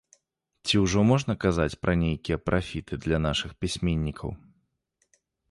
Ці ўжо можна казаць пра нейкія прафіты для нашых пісьменнікаў?